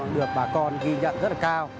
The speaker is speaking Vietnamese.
được bà con ghi nhận rất là cao